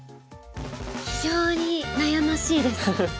非常に悩ましいです。